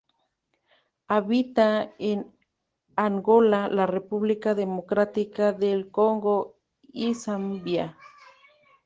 Habita en Angola, la República Democrática del Congo y Zambia.